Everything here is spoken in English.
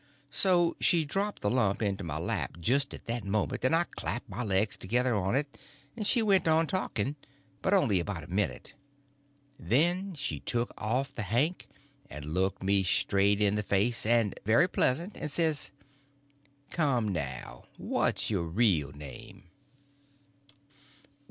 So she dropped the lump into my lap just at that moment, and I clapped my legs together on it and she went on talking. But only about a minute. Then she took off the hank and looked me straight in the face, and very pleasant, and says: "Come, now, what's your real name?"